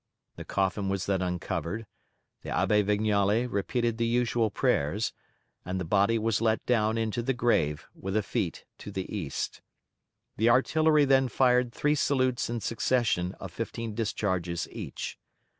The coffin was then uncovered, the Abbe Vignale repeated the usual prayers, and the body was let down into the grave with the feet to the east. The artillery then fired three salutes in succession of fifteen discharges each.